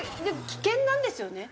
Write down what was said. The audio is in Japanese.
危険なんですよね？